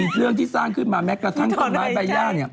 เรื่องที่สร้างขึ้นมาแม้กระทั่งตอนบายใบหญ้า